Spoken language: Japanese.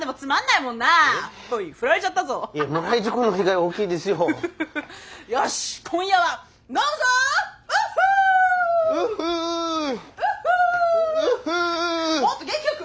もっと元気よく！